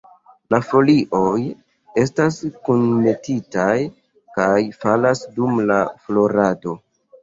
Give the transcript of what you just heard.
La folioj estas kunmetitaj kaj falas dum la florado.